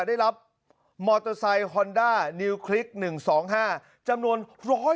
ได้รับมอเตอร์ไซค์ฮอนดานิวคลิกหนึ่งสองห้าจำนวนร้อย